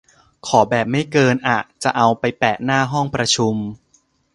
ขอแบบไม่เกิน อะ จะเอาไปแปะหน้าห้องประชุม